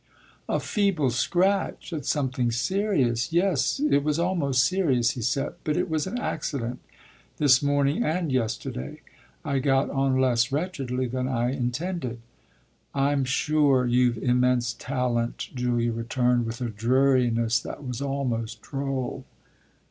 "A feeble scratch at something serious? Yes, it was almost serious," he said. "But it was an accident, this morning and yesterday: I got on less wretchedly than I intended." "I'm sure you've immense talent," Julia returned with a dreariness that was almost droll.